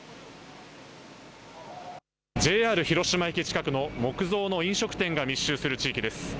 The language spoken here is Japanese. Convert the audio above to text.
ＪＲ広島駅近くの木造の飲食店が密集する地域です。